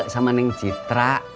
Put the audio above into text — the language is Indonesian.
sama yang citra